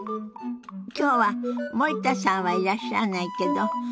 今日は森田さんはいらっしゃらないけど。